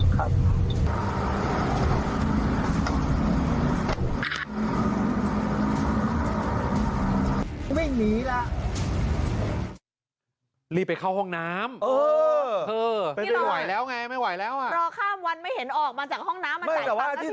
แค่ว่าตรงนี้มันจะอยู่ตรงนี้